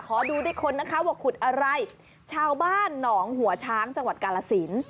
ขอดูด้วยคนนะคะว่าขุดอะไรชาวบ้านหนองหัวช้างจังหวัดกาลสิน